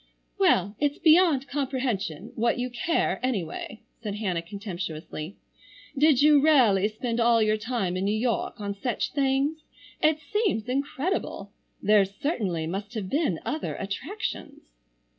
"Well, it's beyond comprehension what you care, anyway," said Hannah contemptuously. "Did you really spend all your time in New York on such things? It seems incredible. There certainly must have been other attractions?"